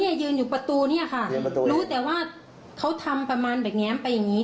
ยืนอยู่ประตูเนี่ยค่ะรู้แต่ว่าเขาทำประมาณแบบแง้มไปอย่างงี้